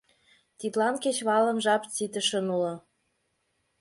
Тидлан кечывалым жап ситышын уло!